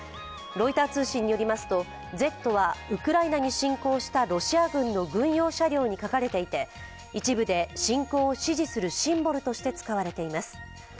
ロイター通信によりますとＺはウクライナに侵攻したロシア軍の軍用車両に書かれていて、一部で侵攻を支持するシンボルとして使われています。